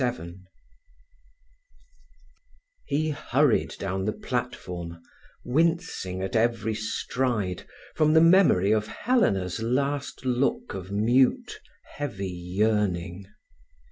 XXVII He hurried down the platform, wincing at every stride, from the memory of Helena's last look of mute, heavy yearning.